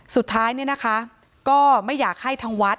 สุดท้ายก็ไม่อยากให้ทางวัด